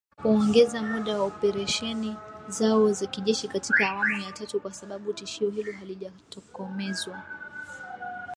Kuongeza muda wa operesheni zao za kijeshi katika awamu ya tatu kwa sababu tishio hilo halijatokomezwa